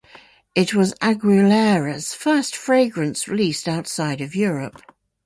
It was Aguilera's first fragrance released outside of Europe.